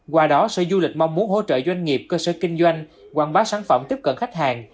qua đó sở du lịch mong muốn hỗ trợ doanh nghiệp cơ sở kinh doanh quảng bá sản phẩm tiếp cận khách hàng